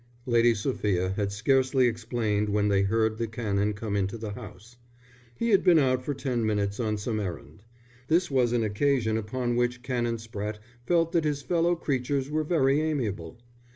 Lady Sophia had scarcely explained when they heard the Canon come into the house. He had been out for ten minutes on some errand. This was an occasion upon which Canon Spratte felt that his fellow creatures were very amiable.